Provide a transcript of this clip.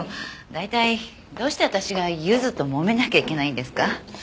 大体どうして私がゆずともめなきゃいけないんですか？